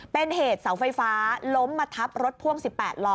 เป็นเหตุเสาไฟฟ้าล้มมาทับรถพ่วง๑๘ล้อ